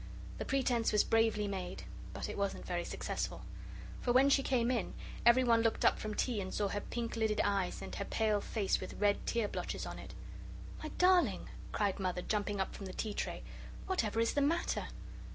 The pretence was bravely made, but it wasn't very successful. For when she came in, everyone looked up from tea and saw her pink lidded eyes and her pale face with red tear blotches on it. "My darling," cried Mother, jumping up from the tea tray, "whatever IS the matter?"